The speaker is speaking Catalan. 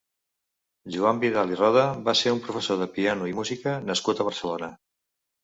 Joan Vidal i Roda va ser un professor de piano i música nascut a Barcelona.